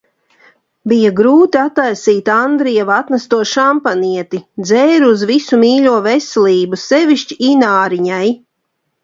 Bija grūti attaisīt Andrieva atnesto šampanieti – dzēru uz visu mīļo veselību, sevišķi Ināriņai.